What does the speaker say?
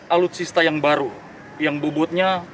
alutsista yang baru yang bubutnya